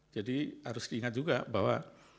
jadi harus diingat juga bahwa